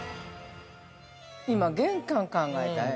◆今、玄関、考えた。